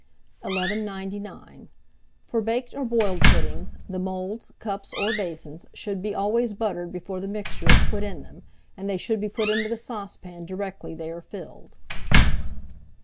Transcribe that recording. [Illustration: BOILED PUDDING MOULD.] 1199. For baked or boiled puddings, the moulds, cups, or basins, should be always buttered before the mixture is put in them, and they should be put into the saucepan directly they are filled.